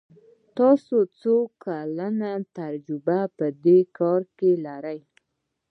تاسو څو کلن تجربه په دي کار کې لری ؟